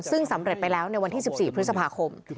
ซึ่งสำเร็จไปแล้วในวันที่๑๔พฤษภาคม